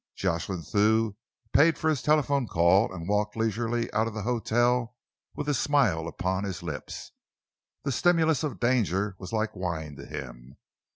Jocelyn Thew paid for his telephone call and walked leisurely out of the hotel with a smile upon his lips. The stimulus of danger was like wine to him.